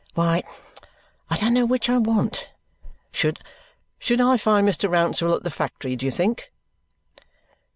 Why, I don't know which I want. Should I find Mr. Rouncewell at the factory, do you think?"